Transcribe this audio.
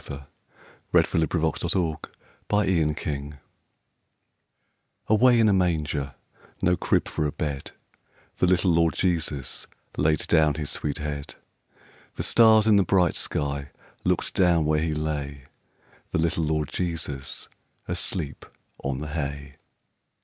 From the Cherry Tree Carol CRADLE HYMN Away in a manger, no crib for a bed, The little Lord Jesus laid down his sweet head. The stars in the bright sky looked down where he lay The little Lord Jesus asleep on the hay.